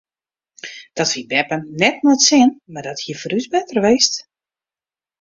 Dat wie beppe net nei it sin mar dat hie foar ús better west.